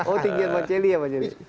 oh tinggian bang celi ya bang celi